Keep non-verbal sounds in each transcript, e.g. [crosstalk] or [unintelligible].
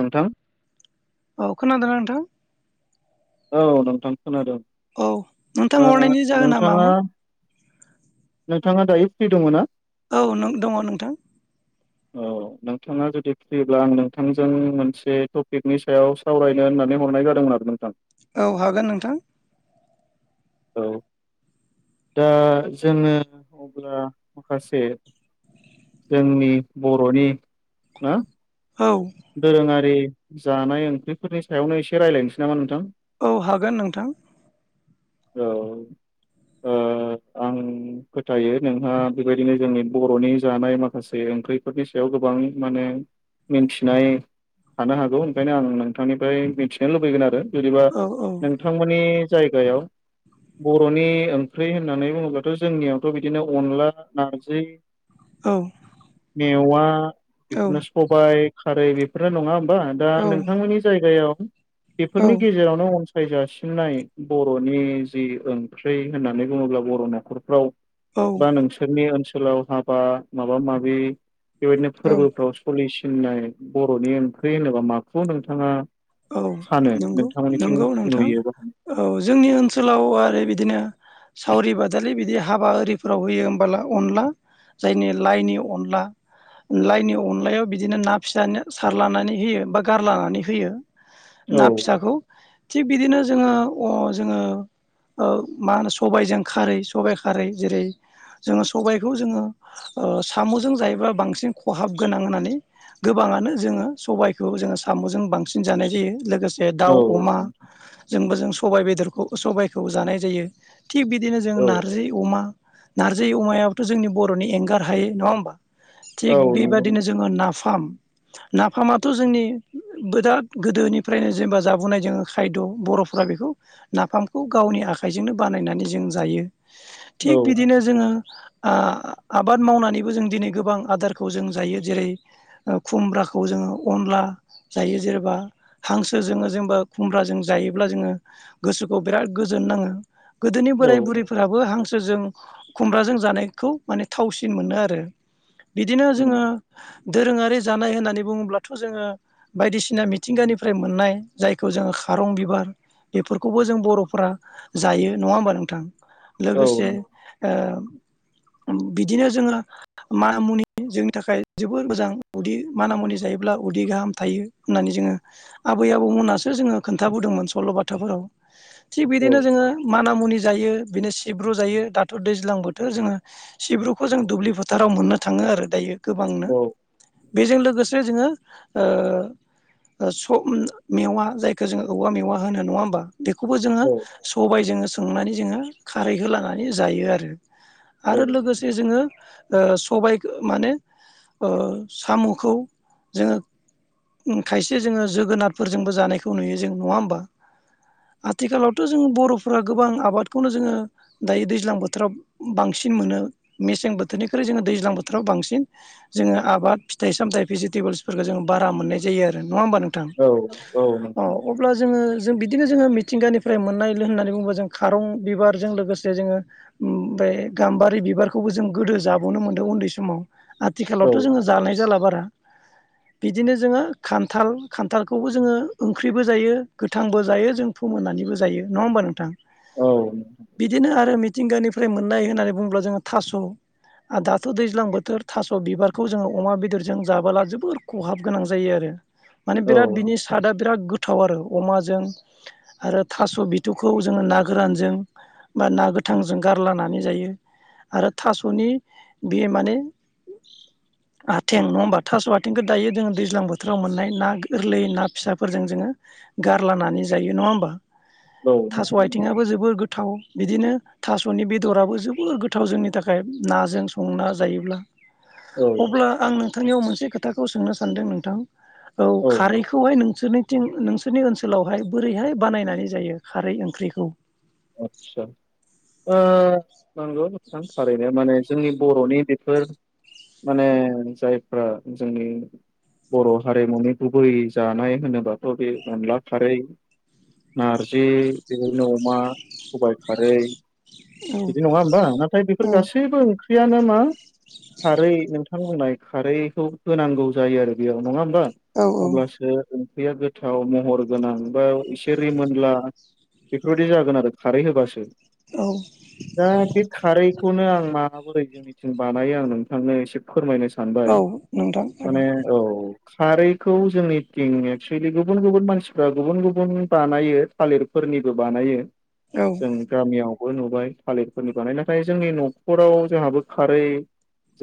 नोंथां औ खोनादोंना नोंथां? औ नोंथां खोनादों औ नोंथां ओ हरनायनि जाहोना नोंथाङा मामोन नोंथाङा दायो फ्रि दङ ना? औ नों दङ नोंथां। औ नोंथाङा जुदि फ्रिब्ला आं नोंथांजों मोनसे टपिकनि सायाव सावरायनो नानै हरनाय जादोंमोन आरो नोंथां औ हागोन नोंथां औ। दा जोङो अब्ला माखासे जोंनि बर'नि ना औ दोरोङारि जानाय ओंख्रिफोरनि सायावनो एसे रायज्लायनोसै नामा नोंथां? औ हागोन नोंथां औ ओ आं फोथायो नोंहा बेबायदिनो जोंनि बर'नि जानाय माखासे ओंख्रिफोरनि सायाव गोबां माने मिनथिनाय थानो हागौ ओंखायनो आं नोंथांनिफ्राय मिनथिनो लुबैगोन आरो जुदिबा औ औ नोंथांमोननि जायगायाव बर'नि ओंख्रि होननानै बुङोब्लाथ' जोंनियावथ' बिदिनो अनला नारजि औ मेवा औ बेफोरनो सबाय खारै बेफोरनो नङा होम बा? दा नोंथांमोननि जायगायाव औ बेफोरनि गेजेरावनो फायजासिननाय बर'नि जि ओंख्रि होननानै बुङोब्ला बर' न'खरफ्राव बा नोंसोरनि ओनसोलाव हाबा माबा माबि बेबायदिनो औ फोरबोफ्राव सोलिसिननाय बर'नि ओंख्रि होनोबा माखौ नोंथाङा औ सानो नंगौ नोंथांमोननिथिं नंगौ नोंथां नुयो बाहाय औ जोंनि ओनसोलाव आरो बिदिनो सावरि बादालि बिदि हाबा आरिफोराव होयो होमबला अनला जायनि लाइनि अनला लाइनि अनलायाव बिदिनो ना फि सारलनानै होयो बा गारलानानै होयो। औ ना फिसाखौ थिग बिदिनो जोङो अ जोङो मा होनो सबायाइजों खारै सबायाइ खारै जेरै जोङो सबायखौ जोङो साम'जों जायोबा बांसिन खहाब गोनां होननानै गोबाङानो जोङो सबायखौ जोङो साम'जों बांसिन जानाय जायो लोगोसे औ दाउ अमा जोंबो जों सबायाइ बेदरखौ सबायाइखौ जानाय जायो थिग बिदिनो जों औ नार्जि अमा नारजि अमायाबथ' जोंनि बर'नि एंगार हायो नङा होमबा थिग औ नंगौ बेबायदिनो नोंथां। जोङो ना फाम नाफामाथ' जोंनि बेराद गोदोनिफ्रायनो जेनेबा जाबोनाय जोङो खायद' बर'फ्रा बेखौ नाफामखौ गावनि आखाइजोंनो बा नायनानै जों जायो। थिग औ बिदिनो जोङो आ आबाद मावनानैबो जों दिनै गोबां आदारखौ जों जायो जेरै खुमब्राखौ जोङो अनला जायो जेनेबा हांसोजों जेनेबा खुमब्राजों जायोब्ला जोङो गोसोखौ बिराद गोजोन नाङो गोदोनि औ बोराय बुरैफोराबो हांसो जों खुमब्राजों जानायखौ माने थावसिन मोनो आरो। बिदिनो उम जोङो दोरोङारि जानाय होननानै बुङोब्लाथ' जोङो बायदिसिना मिथिंगानिफ्राय मोननाय जायखौ जोङो खारं बिबार। बेफोरखौबो जों बर'फोरा जायो नङा होमबा नोंथां औ लोगोसे ओ। [inaudible] बिदिनो जोङो मानामुनि जोंनि थाखाय जोबोर मोजां उदि माना मुनि जायोब्ला। उदै गाहाम थायो होननानै जोङो। आबै आबौमोनासो जोङो खोन्थाबोदोंमोन सल' बाथाफोराव। थिग औ बिदिनो जोङो माना मुनि। जायो बिनो सिब्रु जायो दाथ' दैज्लां बोथोर जोङो सिब्रुखौ जों दुब्लि फोथाराव मोननो थाङो आरो दायो गोबांनो बेजों लोगोसे जोङो ओ ओ सब मेवा जायखौ जोङो औवा होनो नङा होम्बा बेखौबो‌ जोङो औ सबायजों सोंनानै जोङो खारैखौ लानानै जायो आरो आरो औ लोगोसे जोङो ओ सबायखो माने ओ साम'खौ जोङो खायसे जोङो जोगोनारफोरजोंबो जानायखौ नुयो जों नङा होमबा। आथिखालावथ' जों बर'फोरा गोबां आबादखौनो जोङो दायो दैज्लां बोथोराव बांसिन बांसिन मोनो मेसें बोथोरनिख्रोय जोंङो दैजां बोथोराव बांसिन जोङो आबाद फिथाइ सामथाइ बेजेत तेबोल्सफोरखो जोङो बारा मोननाय जायो आरो नङा होम्बा नोंथां औ औ नोंथां अ' अब्ला जोङो जों बिदिनो जोङो मिथिंगानिफ्राय मोननायलो होननानै बुङोबा जों खारं बिबारजों लोगोसे जोङो उम ओफाय गाम्बारि बिबारखौबो जों गोदो जाबोननो मोन्दों उन्दै समाव औ आथिखालावथ' जोङो जानाय जाला बारा बिदिनो जोङो खान्थाल खान्थालखौबो जोङो ओंख्रिबो जायो गोथांबो जायो जों फोमोननानैबो जायो नङा होमबा नोंथां? बिदिनो आरो मिथिंगानिफ्राय मोननाय होननानै बुङोब्ला जोङो थास' आ दाथ' दैज्लां बोथोर थास' बिबारखौ जोङो अमा बेदरजों जाबोला जोबोर खहाब गोनां जायो आरो माने बिराद बिनि सारादा बिराद गोथ थाव आरो अमाजों आरो थास' बिथ'खौ जों नागोरजों बा ना गोथ थांजों गारलानानै जायो आरो थास'नि बे माने [inaudible] आथें नङा होमबा थास' आथेंखौ दायो जोङो दैज्लां बोथ बोथोराव मोननाय ना गोरलै ना फिसाफोरजों जोङो गारलानानै जायो नङा होम्बा। औ थास' आथिंबो जोबोद गो थाव बिदिनो थास'नि बेदराबो जोबोद गोथाव जोंनि थाखाय नाजों संना जायोब्ला। औ अब्ला आं नोंथांनियाव मोनसे खोथाखौ सोंनो सानदों नोंथां। औ खारैखौहाय नोंसोरनि थिं नोंसोरनि ओनसोलावहाय बोरैहाय बानायनानै जायो खारै ओंख्रिखौ? आटस्सा। ओ नोंगौ नोंथां थारैनो माने जोंनि बर'नि बेफोर माने जायफ्रा जोंनि बर' हारिमुनि गुबै जानाय होनोबाथ' बे अन्ला खारै नार्जि [inaudible] बिदिनो अमा सबाइ खारै औ बिदि नङा होम्बा नाथाय बेफोर औ गासैबो ओं ख्रियानो मा खारै नोंथां बुंनाय खारैखौ होनांगौ जायो आरो बेयाव नङा [inaudible] बा औ अब्लासो [inaudible] ख्रैया गोथाव महर गोनां बा एसे रिमोनला बेफोरबायदि जागोन आरो। खारै होबासो औ दा बे खारैखौनो आं मा माबोरै जोंनिथिं बानायो आं नोंथांनो एसे फोरमायनो सानबाय औ नोंथां माने हागोन औ खारैखौ जोंनिथिं एक्सुेलि गुबुन गुबुन मानसिफ्रा गुबुन गुबुन बानायो थालिरफोर फोरनिबो बानायो औ जों गामियाव। बो नुबाय थालिरफोरनि बानाय नाथाय जोंनि न'खराव जोंहाबो खारै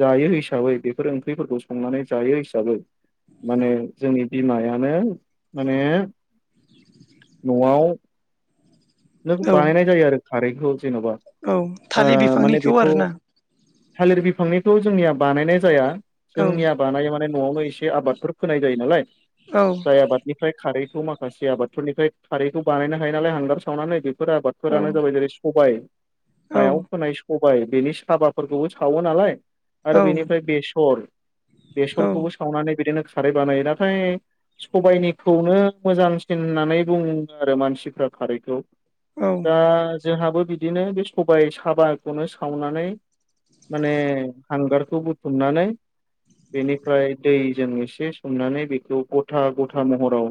जायो हिसाबै बेफोर ओंख्रिफोरखौ संनानै जायो हिसाबै माने जोंनि बिमायानो माने न'आव नों औ बानायनाय जायो आरो खारैखौ जेन'बा औ थालिर ओ माने बिफांनिखौ बेखौ आरोना थालिर बिफांनिखौ जोंनिया बानायनाय जाया औ जोंनिया बानायो माने न'आवनो एसे आबादफोर फोनाय जायो नालाय औ जाय आबादनिफ्राय खारै खौ माखासे आबादफोरनिफ्राय खारैखौ बानायनो हायो नालाय हांगार सावनानै बेफोर औ आबादफोरानो जाबाय जेरै सबाय औ हायाव फोनाय सबाय बेनि साबाफोरखौबो सावो नालाय आरो औ बेनिफ्राय बेसर औ बेसरखौबो सावनानै बिदिनो खारै बानायो नाथाय सबायाइनिखौनो मोजांसिन होननानै बुङो आरो मानसिफ्रा खारैखौ। औ दा जोंहाबो बिदिनो बे सबायाइ साबाखौनो सावनानै माने हांगारखौ बुथुमनानै बेनिफ्राय दैजों एसे सोमनानै बेखौ गथा गथा महराव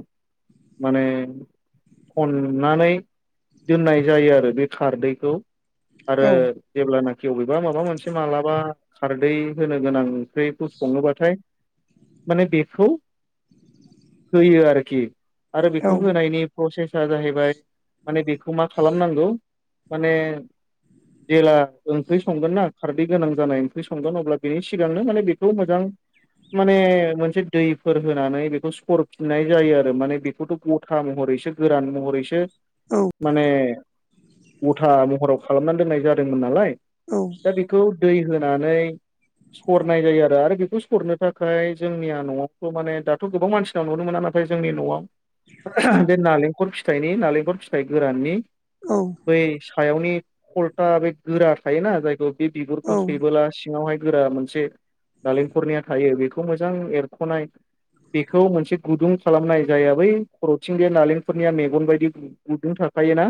माने खननानै दोननाय जायो आरो बे खारदैखौ आरो जेब्लानाखि खे अबेबा माबा मोनसे मालाबा खारदै होनो गोनां ओंख्रिबो सङोबाथाय माने बेखौ होयो आरोखि आरो बेखौ होनायनि प्रसेस जाहैबाय माने बेखौ मा खालामनांगौ। माने जेला ओंख्रि संगोन ना खारदै गोनां जानाय ओंख्रि संगोन अब्ला बेनि सिगांनो माने बेखौ मोजां माने मोनसे दैफोर होनानै बेखौ सरफिननाय जायो आरो माने बेखौथ' गथा महर। एसे गोरान महरैसो। माने उथा महराव खालामना दोननाय जादोंमोन नालाय। दा बेखौ दै होनानै। सरनाय जायो आरो बेखौ सरनो थाखाय जोंनिया न'आवथ' माने दाथ' गोबां मानसिनाव नुनो मोना नाथाय जोंनि न'आव बे नालेंखल फिथाइनि नालेंखर फिथाइ गोराननि औ बै सायावनि फलथा बे गोरा थायोना जायखौ बे बिगुरखौ सैबोला सिङावहाय गोरा मोनसे नालेंखरनिया थायो बेखौ मोजां एरख'नाय बेखौ मोनसे गुदुं खालामनाय जाया बै खर'थिंगाया नालेंफोरनिया मेगन बायदि। गुदुं थाखायोना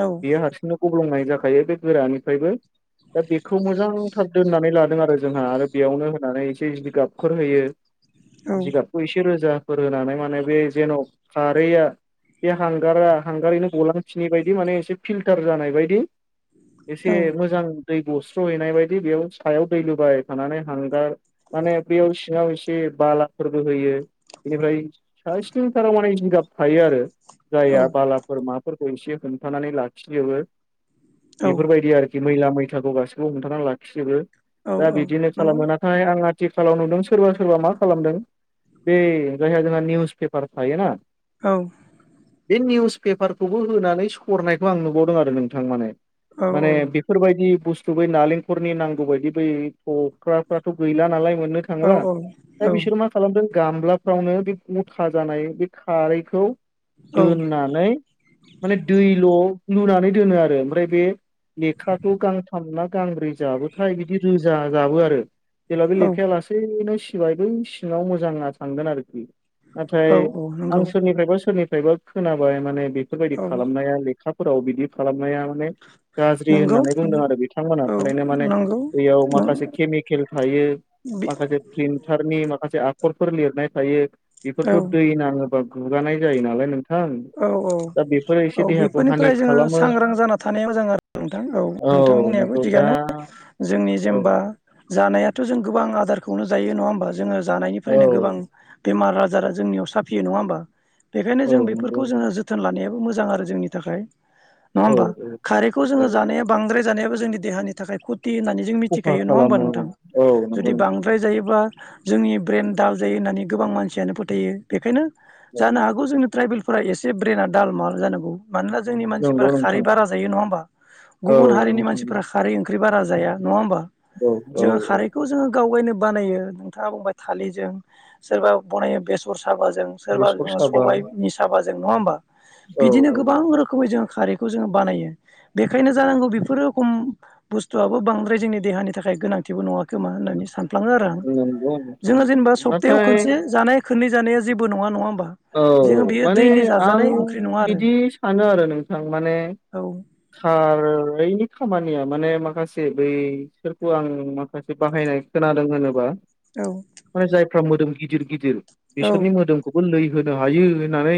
औ बेयो हारसिंनो गब्लंनाय जाखायो बे गोरानिफ्रायबो दा बेखौ मोजांथार दोननानै लादों आरो। जोंहा आरो बेयावनो होनानै एसे जिगाबफोर होयो औ जिगाबखौ एसे रोजा। फोर होनानै माने बे जेन' खारैआ बे हांगारा हांगारैनो गलांफिनि बायदि माने एसे फिल्टार जानाय बायदि औ एसे मोजां दै गस्र' हैनाय बायदि बेयाव सायाव दै लुबाय थानानै हांगार माने बेयाव सिङाव एसे बाला फोरबो होयो बेनिफ्राय सा सिनथाराव माने जिगाब थायो आरो। औ जाया बाला फोरखौ एसे हमथानानै लाखिजोबो औ बेफोरबायदि आरोखि। मैला मैथाखौ गासैखौबो हमथानानै लाखिजोबो औ दा औ बिदिनो नंगौ खालामो नाथाय आंहा थिखालाव नुदों सोरबा सोरबा मा खालामदों बे जायहा जोंहा निउस पेपार थायोना औ। बे निउस पेपारखौबो होनानै सरनायखौ आं नुबावदों आरो नोंथां माने औ माने बेफोरबायदि बुस्थु बै नालेंखलनि नांगौ बायदि बै थख्राफ्राथ' गैला नालाय मोननो औ थांला दा बिसोर मा खालामदों गामलाफ्रावनो बे मथा जानाय बे खारैखौ दोननानै माने दैल' लुनानै दोनो आरो ओमफ्राय बे लेखाखौ गांथाम ना गांब्रै जाबोथाय बिदि रोजा जाबो आरो। जेब्ला बे औ लेखाया लासैनो सिबाय बै सिङाव मोजाङा थांगोन आरोखि। नाथाय औ आं नंगौ सोरनिफ्रायबा सोरनिफ्रायबा खोनाबाय माने बेफोरबायदि औ खालामनाया लेखा फोराव बिदि खालामनाया माने गाज्रि नंगौ होननानै बुंदों औ आरो बिथांमोना थारैनो माने नंगौ बैयाव माखासे केमिकेल थायो। माखासे फ्रिनथारनि माखासे खरफोर लिरनाय थायो औ बेफोरथ' दै नाङोबा गुगानाय जायो नालाय नों औ औ। औ हानि बेफोरनिफ्राय जोङो खालामो सांग्रां जाना थानाया मोजां आरो नोंथां औ नोंथां बुंनायाबो नंगौ दा थिगानो। जोंनि औ जेनेबा जानायाथ' जों गोबां आदारखौनो जायो नङा होमबा जोङो औ जानायनिफ्रायनो गोबां बेमार आजार [unintelligible] जोंनियाव साफियो नङा होमबा बेखायनो औ जों नंगौ बेफोरखौ जोङो नोंथां जोथोन लानायाबो मोजां आरो जोंनि थाखाय। नङा औ होमबा औ खारैखौ औ जोङो जानाया बांद्राय जानायाबो जोंनि देहानि थाखाय खुद फथि होननानै जों खहा मिथिखायो नङा होमबा खालामो नोंथां औ नंगौ जुदि नोंथां बांद्राय जायोब्ला जोंनि ब्रेन दाल जायो होननानै गोबां मानसियानो फोथायो बेखायनो औ जानो हागौ जोंनि ट्राइबेल फा एसे ब्रेना दालमाल जानांगौ मानोना जोंनि मानसिफोरा नंगौ खारै नोंथां बारा जायो नङा होमबा औ गुबुन हारिनि नोंथां मानसिफोरा खारै ओं ओंख्रि बारा जाया नङा होमबा औ औ जोङो औ खारैखौ जोङो गावगायनो बानायो नोंथाङा बुंबाय थालिरजों सोरबा बनायो बेसर साबाजों सोरबा बेसर साबा सबायनि साबाजों नङा हबा औ बिदिनो औ गोबां रोखै जों खारैखौ जोङो बानायो बेखायनो जानांगौ बेफोरो खम बुस्थुआबो बांद्राय जोंनि देहानि थाखाय गोनांथिबो नङााखोमा होननानै सान फ्लाङो आरो आं नंगौ नोंथां जोङो जेनेबा नंगौ सप्तायाव नाथाय खनसे जानाय खननै जानाया जेबो नङा नङा औ जोङो बेयो माने दैलि आं जाजानाय ओंख्रि नङा आरो बिदि सानो आरो नोंथां माने औ खारै खामानिया माने माखासे बैसोरखौ आं माखासे बाहायनाय खोनादों होनोबा औ फोरा मोदोम गिदिर गिदिर औ बिसोरनि मोदोमखौबो लै होनो हायो होननानै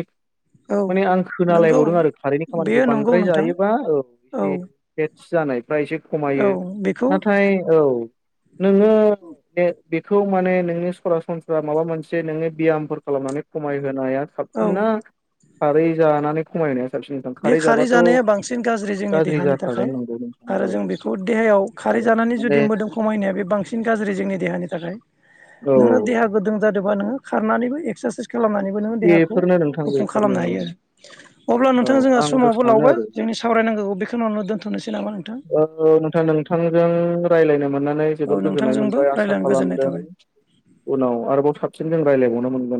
औ माने आं नंगौ खोनालायबावदों आरो खारैनि खामानिखौ बेयो नंगौ बांद्राय नोंथां जायोबा औ एसे सि जानायफ्रा एसे औ खमायो बेखौ नाथाय औ नोङो बेखौ माने नोंनि सरासनस्रा माबा मोनसे नोङो बियामफोर खालामनानै खमाय होनाया औ साबसिन ना खारै जानानै खमायनाय बे खारै जानाया बांसिन गाज्रि जोंनि देहानि जाखागोन थाखाय नंगौ नोंथां आरो औ जों बेखौ देहायाव खारै खारै थारैनो जानानै माने जुदि मोदोम खमायनाया बे बांसिन गाज्रि जोंनि देहानि थाखाय औ नोङो देहा गदुं जादोंबा नोङो खारनानैबो एक्सारसाइस खालामनानैबो नोङो देहाखौ बेफोरनो नोंथां गुफुं बेफोरनो खालामनो औ हायो आरो अब्ला नों औ जोंना आंबो समाबो सानो लावबाय आरो जोंनि सावरायनांगौ बेखिनोयावनो दोनथ'नोसै नामा नोंथां औ नानै औ जोबोर गोजोन्नाय नोंथांजोंबो मोनबाय आसा रायज्लायनो गोजोननाय खालामदों थाबाय उनाव आरोबाव साबसिन जों रायलायबावनो